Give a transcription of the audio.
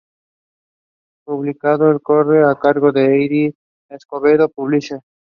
La publicación corre a cargo de "Eddie Escobedo, Publisher".